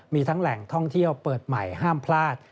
มีทั้งแหล่งท่องเที่ยวเปิดใหม่ห้ามพลาด